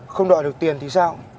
không đòi được tiền thì sao